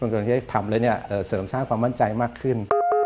คนที่ทำแล้วเนี่ยเสริมสร้างความมั่นใจมากขึ้น